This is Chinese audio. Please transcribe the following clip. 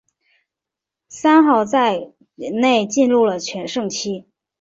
三好在畿内进入了全盛期。